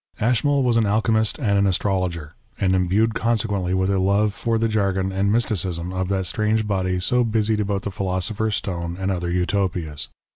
Ashmole was an alchemist and an astrologer, and imbued consequently with a love for the jargon and mysticism of that strange body so busied about the philosopher's stone and other Utopias.